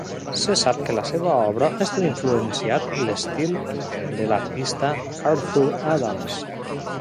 Se sap que la seva obra ha influenciat l'estil de l'artista Arthur Adams.